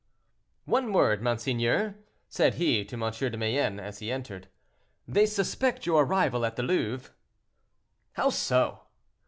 "One word, monseigneur," said he to M. de Mayenne as he entered; "they suspect your arrival at the Louvre." "How so?"